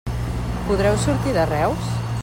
Podreu sortir de Reus?